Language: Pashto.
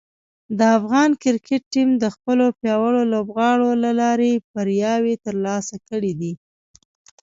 د افغان کرکټ ټیم د خپلو پیاوړو لوبغاړو له لارې بریاوې ترلاسه کړې دي.